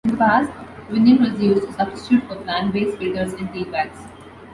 In the past, Vinyon was used a substitute for plant-based filters in tea bags.